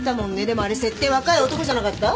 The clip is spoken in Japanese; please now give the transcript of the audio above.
でもあれ設定若い男じゃなかった？